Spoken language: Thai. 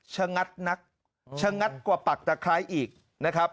งัดนักชะงัดกว่าปักตะไคร้อีกนะครับ